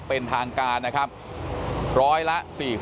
โปรดติดตามต่อไป